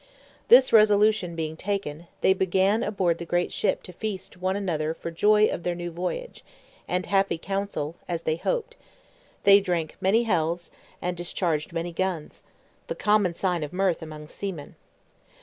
This resolution being taken, they began aboard the great ship to feast one another for joy of their new voyage, and happy council, as they hoped: they drank many healths, and discharged many guns, the common sign of mirth among seamen.